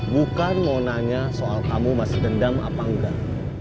bukan mau nanya soal kamu masih dendam apa enggak